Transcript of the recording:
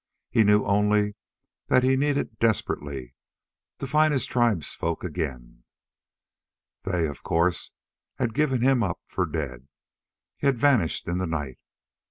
He knew only that he needed desperately to find his tribesfolk again. They, of course, had given him up for dead. He had vanished in the night.